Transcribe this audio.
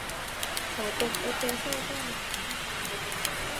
ขอเป็นเอสเพรสโซแก้วนึงค่ะ